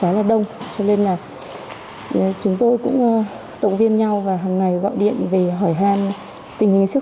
khá là đông cho nên là chúng tôi cũng động viên nhau và hằng ngày gọi điện về hỏi han tình huống sức